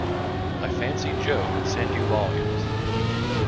I fancied Jo would send you volumes.